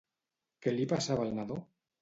Què li passava al nadó?